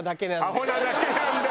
アホなだけなんで。